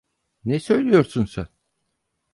Ne söylüyorsun sen?